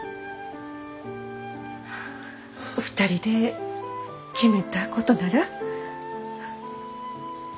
２人で決めたことならうち